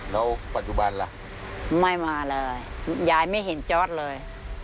เราปัจจุบันล่ะนะไม่มาเลยยายไม่เห็นย่ายไม่เห็นจอสเลย